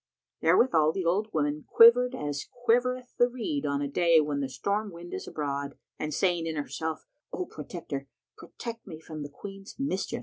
Therewithal the old woman quivered as quivereth the reed on a day when the storm wind is abroad and saying in herself, "O[FN#138] Protector, protect me from the Queen's mischief!"